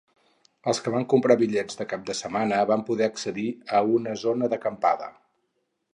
Els que van comprar bitllets de cap de setmana van poder accedir a una zona d'acampada.